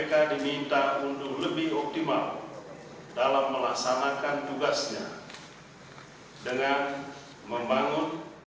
kepada pemerintah kepada pemerintah dan pemerintah yang berada di dalam kemampuan